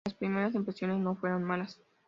Y las primeras impresiones no fueron malas.